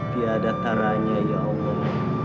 tiada taranya ya allah